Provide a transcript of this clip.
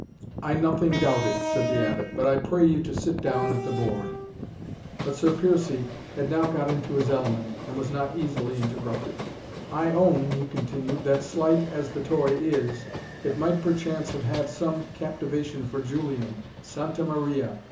"I nothing doubt it," said the Abbot, "but I pray you to sit down at the board." But Sir Piercie had now got into his element, and was not easily interrupted "I own," he continued, "that slight as the toy is, it might perchance have had some captivation for Julian Santa Maria!"